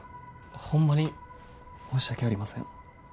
ホンマに申し訳ありません。